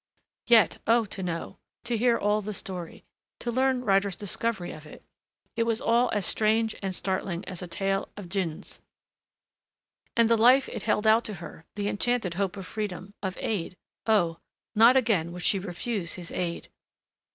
Yet, oh, to know, to hear all the story, to learn Ryder's discovery of it! It was all as strange and startling as a tale of Djinns. And the life that it held out to her, the enchanted hope of freedom, of aid Oh, not again would she refuse his aid!